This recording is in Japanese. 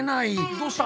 どうした？